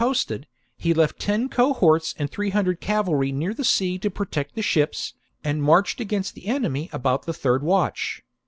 ' posted, lie left ten cohorts and three hundred cavalry near the sea to protect the ships, and marched against the enemy about the third watch.